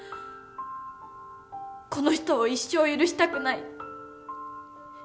この人を一生許したくない。